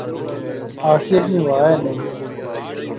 آخیئے کی وہا ایہہ نئیں